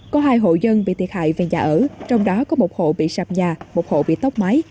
có hai hộ dân bị thiệt hại về nhà ở trong đó có một hộ bị sập nhà một hộ bị tốc máy